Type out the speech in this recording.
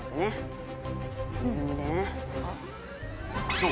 そう